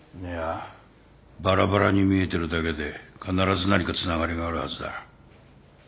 いやバラバラに見えてるだけで必ず何かつながりがあるはずだ。